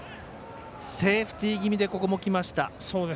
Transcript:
セーフティー気味でここもきました。